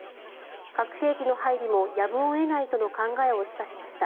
核兵器の配備もやむを得ないとの考えを示唆しました。